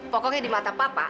pokoknya di mata papa